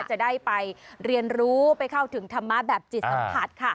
จะได้ไปเรียนรู้ไปเข้าถึงธรรมะแบบจิตสัมผัสค่ะ